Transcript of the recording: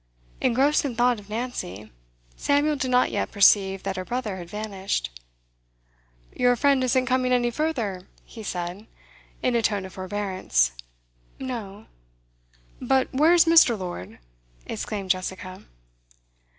Engrossed in thought of Nancy, Samuel did not yet perceive that her brother had vanished. 'Your friend isn't coming any further?' he said, in a tone of forbearance. 'No.' 'But where's Mr. Lord?' exclaimed Jessica.